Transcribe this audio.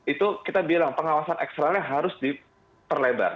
itu kita bilang pengawasan eksternalnya harus diperlebar